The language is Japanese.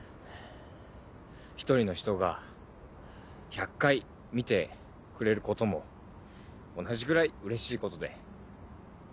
一人の人が１００回見てくれることも同じぐらいうれしいことで。